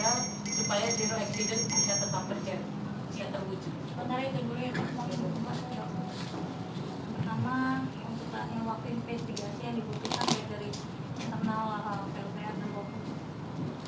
pertama yang kita nilai investigasi yang dibutuhkan dari internal prcn